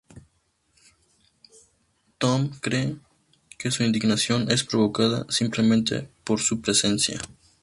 Tom cree que su indignación es provocada simplemente por su presencia.